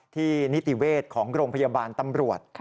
นิติเวชของโรงพยาบาลตำรวจ